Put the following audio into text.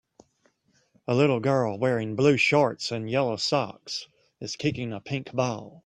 A little girl wearing blue shorts and yellow socks is kicking a pink ball.